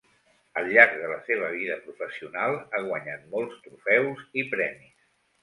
Al llarg de la seva vida professional ha guanyat molts trofeus i premis.